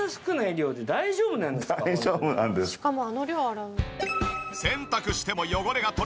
しかもあの量洗う。